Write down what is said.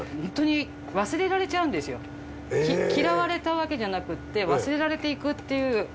嫌われたわけじゃなくって忘れられていくっていう。